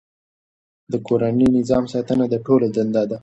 د کورني نظم ساتنه د ټولو دنده ده.